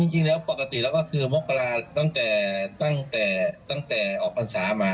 จริงแล้วก็คือมกราคมตั้งแต่ออกพันธุ์ศาสตร์มา